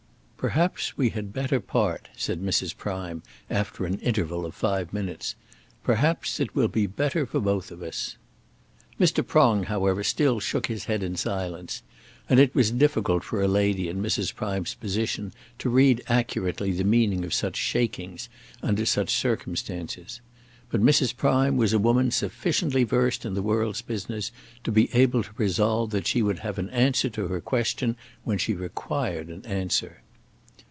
"Perhaps we had better part," said Mrs. Prime, after an interval of five minutes. "Perhaps it will be better for both of us." Mr. Prong, however, still shook his head in silence; and it was difficult for a lady in Mrs. Prime's position to read accurately the meaning of such shakings under such circumstances. But Mrs. Prime was a woman sufficiently versed in the world's business to be able to resolve that she would have an answer to her question when she required an answer.